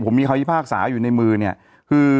ผมมีความพิพากษาอยู่ในมือ